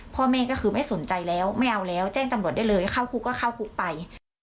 พ่อแม่ก็คือไม่สนใจแล้วไม่เอาแล้วแจ้งตำรวจได้เลยเข้าคุกก็เข้าคุกไป